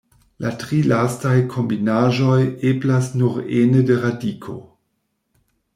La tri lastaj kombinaĵoj eblas nur ene de radiko.